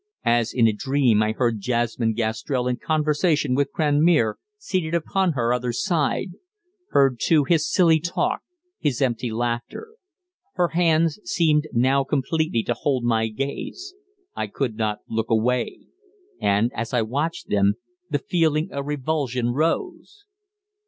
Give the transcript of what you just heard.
As in a dream I heard Jasmine Gastrell in conversation with Cranmere, seated upon her other side; heard, too, his silly talk, his empty laughter. Her hands seemed now completely to hold my gaze. I could not look away. And, as I watched them, the feeling of revulsion rose.